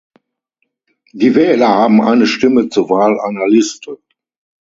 Die Wähler haben eine Stimme zur Wahl einer Liste.